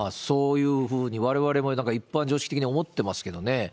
そういうふうに、われわれもだから一般常識的に思ってますけどね。